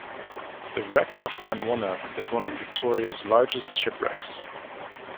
The wreck of "Kanwona" is one of Victoria's largest shipwrecks.